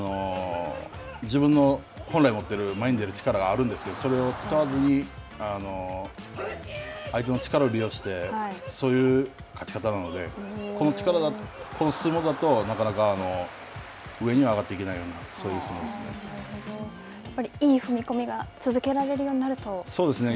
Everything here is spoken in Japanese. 自分の本来持っている前に出る力があるんですけど、それを使わずに相手の力を利用して、そういう勝ち方なのでこの相撲だと、なかなか上には上がっていけないやっぱりいい踏み込みがそうですね。